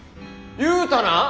言うたな！